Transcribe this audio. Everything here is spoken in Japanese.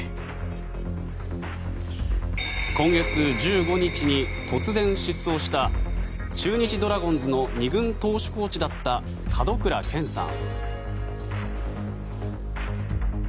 今月１５日に突然、失踪した中日ドラゴンズの２軍投手コーチだった門倉健さん。